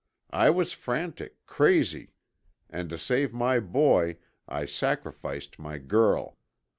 I was frantic, crazy, and to save my boy I sacrificed my girl.